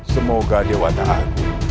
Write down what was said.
semoga dewa tahanmu